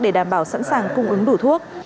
để đảm bảo sẵn sàng cung ứng đủ thuốc